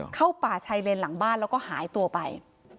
เข้าป่าชายเลนหลังบ้านแล้วก็หายตัวไป